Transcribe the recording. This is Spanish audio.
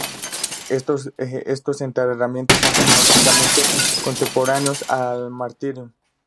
Estos enterramientos son cronológicamente contemporáneos al martyrium.